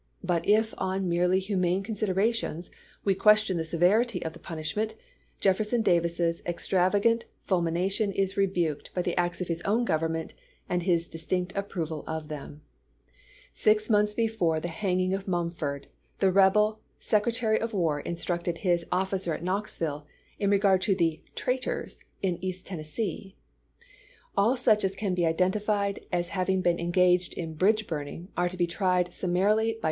But if on merely humane considerations we question the severity of the pun ishment, Jefferson Davis's extravagant f ulmination is rebuked by the acts of his own Government and „.. his distinct approval of them. Six months be ^^^ ^^t' fore the hanging of Mumf ord, the rebel Secre ^voi. vn.?' tary of War instructed his officer at Knoxville in seelTsV regard to the " traitors " in East Tennessee :" All to^ci^^W. such as can be identified as having been engaged isei. "w.r. <'(=>'=' Vol. VII., in bridge burning are to be tried summaiily by ^J^^^^?